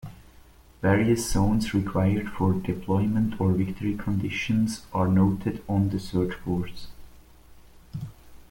Various zones required for deployment or victory conditions are noted on the search boards.